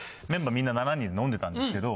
みんな７人飲んでたんですけど。